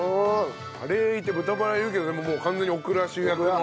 カレーいて豚バラいるけどでももう完全にオクラ主役の。